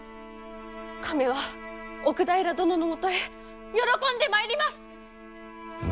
亀は奥平殿のもとへ喜んで参ります！